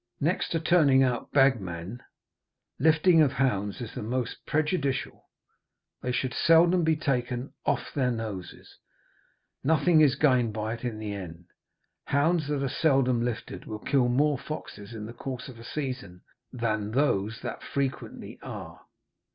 Next to turning out bag men, lifting of hounds is the most prejudicial. They should seldom be taken 'off their noses,' nothing is gained by it in the end; hounds that are seldom lifted will kill more foxes in the course of a season than those that frequently are.